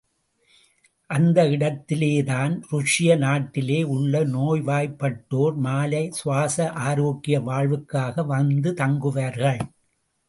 அந்த இடத்திலேதான், ருஷ்ய நாட்டிலே உள்ள நோய்வாய்ப்பட்டோர் மலை சுவாச ஆரோக்கிய வாழ்வுக்காக வந்து தங்குவார்கள்.